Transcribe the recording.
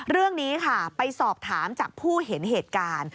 เรื่องนี้ค่ะไปสอบถามจากผู้เห็นเหตุการณ์